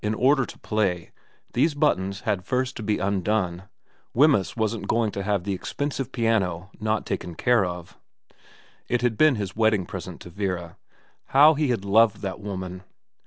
In order to play, these buttons had first to be undone, Wemyss wasn't going to have the expensive piano not taken care of. It had been his wedding present to Vera how he had loved that woman